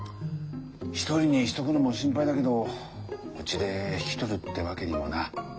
一人にしとくのも心配だけどうちで引き取るってわけにもな。